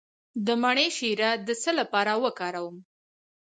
د مڼې شیره د څه لپاره وکاروم؟